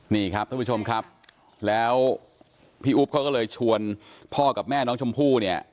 นี่ครับท่านผู้ชมครับแล้วพี่อุ๊บเขาก็เลยชวนพ่อกับแม่น้องชมพู่เนี่ย